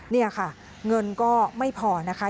นี่ค่ะเงินก็ไม่พอนะคะ